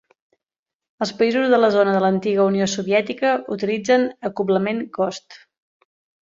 Els països de la zona de l'antiga Unió Soviètica utilitzen acoblament Gost.